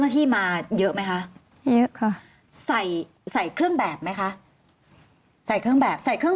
หน้าที่มาเยอะไหมค่ะอยู่ขอใส่ใส่เครื่อง